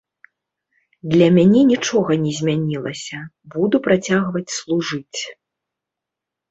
Для мяне нічога не змянілася, буду працягваць служыць.